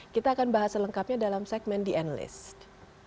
kita akan bahas selengkapnya dalam segmen the analyst